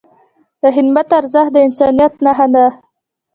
د خدمت ارزښت د انسانیت نښه ده.